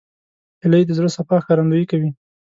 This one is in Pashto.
هیلۍ د زړه صفا ښکارندویي کوي